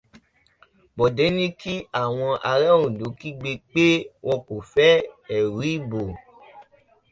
Bọ̀dé ní kí àwọn ará Ondo kígbe pé wọn kò fẹ́ èrú ìbò.